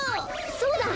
そうだ！